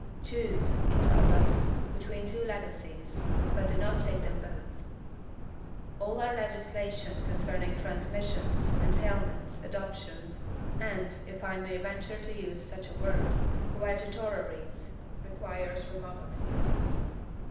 "Choose," it tells us, "between two legacies, but do not take them both." All our legislation concerning transmissions, entailments, adoptions, and, if I may venture to use such a word, COADJUTORERIES, requires remodelling.